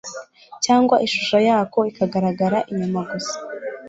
cyangwa ishusho yako igaragagara inyuma gusa